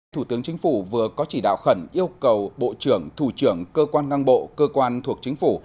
thủ tướng chính phủ vừa có chỉ đạo khẩn yêu cầu bộ trưởng thủ trưởng cơ quan ngang bộ cơ quan thuộc chính phủ